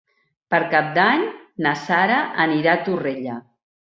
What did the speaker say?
Per Cap d'Any na Sara anirà a Torrella.